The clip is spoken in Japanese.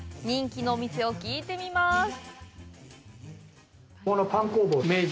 人気のお店を聞いてみます。